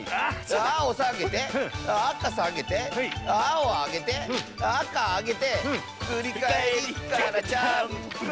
あおさげてあかさげてあおあげてあかあげてふりかえりからジャンプ！